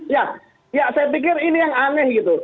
ya ya saya pikir ini yang aneh gitu